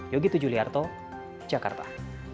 yogy tujuliarto jakarta